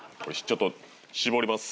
ちょっと絞ります。